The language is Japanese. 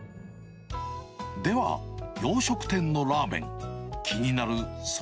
では、洋食店のラーメン。